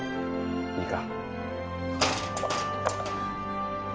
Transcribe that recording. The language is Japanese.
いいか？